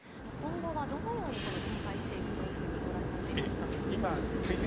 今後はどのように展開していくというふうにご覧になっていますか。